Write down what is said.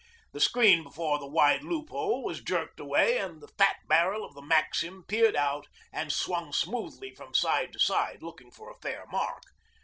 The screen before the wide loophole was jerked away and the fat barrel of the maxim peered out and swung smoothly from side to side, looking for a fair mark.